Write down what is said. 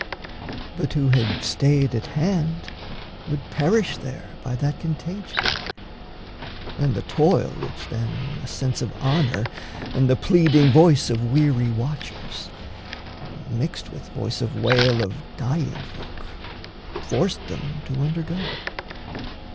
But who had stayed at hand would perish there By that contagion and the toil which then A sense of honour and the pleading voice Of weary watchers, mixed with voice of wail Of dying folk, forced them to undergo.